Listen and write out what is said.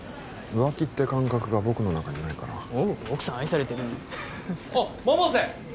浮気って感覚が僕の中にないからおお奥さん愛されてるおっ百瀬！